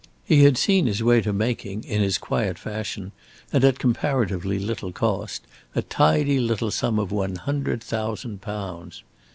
He had seen his way to making in his quiet fashion, and at comparatively little cost, a tidy little sum of one hundred thousand pounds.